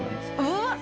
うわっ！